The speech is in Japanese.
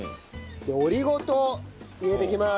オリゴ糖入れていきます。